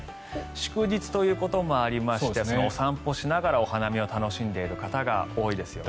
祝日ということもありましてお散歩しながらお花見を楽しんでいる方が多いですよね。